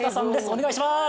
お願いします